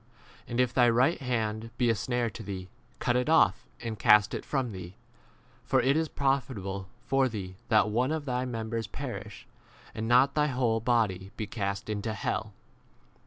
w And if thy right hand be a snare to thee, cut it off and cast it from thee : for it is profit able for thee that one of thy mem bers perish, and not thy whole body be cast into hell.